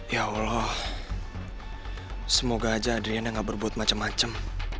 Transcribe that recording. ya allah semoga aja adriana gak berbuat macem macem